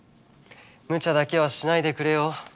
むちゃだけはしないでくれよ？